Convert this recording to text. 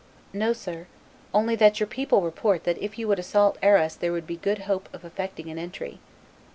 "No, sir; only that your people report that if you would assault Arras there would be good hope of effecting an entry."